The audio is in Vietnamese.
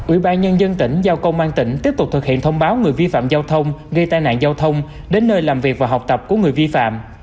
ủy ban nhân dân tỉnh giao công an tỉnh tiếp tục thực hiện thông báo người vi phạm giao thông gây tai nạn giao thông đến nơi làm việc và học tập của người vi phạm